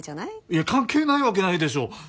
いや関係ないわけないでしょう。